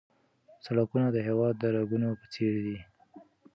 سړکونه د هېواد د رګونو په څېر دي.